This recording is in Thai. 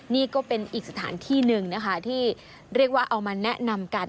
นี่ก็เป็นอีกสถานที่หนึ่งนะคะที่เรียกว่าเอามาแนะนำกัน